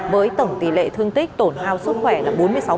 với tổng tỷ lệ thương tích tổn hại sức khỏe là bốn mươi sáu